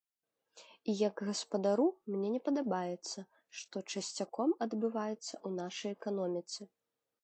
І як гаспадару мне не падабаецца, што часцяком адбываецца ў нашай эканоміцы.